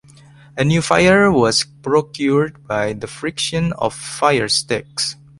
A new fire was procured by the friction of fire-sticks.